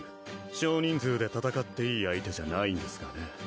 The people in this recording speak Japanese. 少人数で戦っていい相手じゃないんですがね